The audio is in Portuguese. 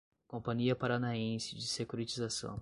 Companhia Paranaense de Securitização